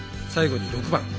最後に６番。